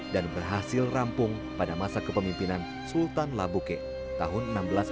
dan berhasil rampung pada masa kepemimpinan sultan labuke tahun seribu enam ratus empat puluh lima